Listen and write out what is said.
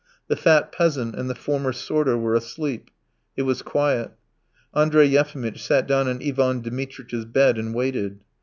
The fat peasant and the former sorter were asleep. It was quiet. Andrey Yefimitch sat down on Ivan Dmitritch's bed and waited.